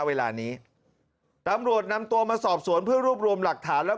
เวลานี้ตำรวจนำตัวมาสอบสวนเพื่อรวบรวมหลักฐานแล้ว